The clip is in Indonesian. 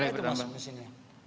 berapa itu mas mesinnya